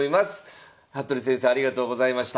服部先生ありがとうございました。